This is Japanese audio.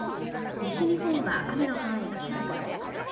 西日本は雨の範囲が狭くなりそうです。